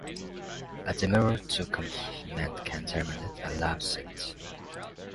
A demurrer to a complaint can terminate a lawsuit.